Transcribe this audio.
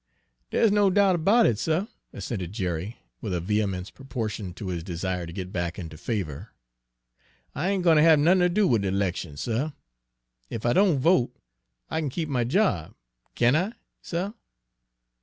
"Dere's no doubt about it, suh," assented Jerry, with a vehemence proportioned to his desire to get back into favor. "I ain' gwine ter have nothin' ter do wid de 'lection, suh! Ef I don' vote, I kin keep my job, can't I, suh?"